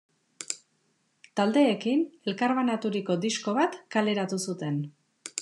Taldeekin, elkarbanaturiko disko bat kaleratu zuten.